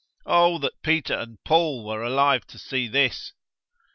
(O that Peter and Paul were alive to see this!)